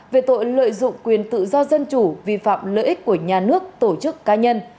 về tội lợi dụng quyền tự do dân chủ vi phạm lợi ích của nhà nước tổ chức cá nhân